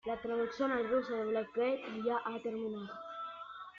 La traducción al ruso de "The Black Gate" ya ha terminado.